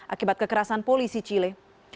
akibat kekerasan polisi chile